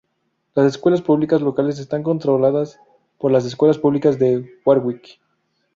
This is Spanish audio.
Las escuelas públicas locales están controladas por las escuelas públicas de Warwick.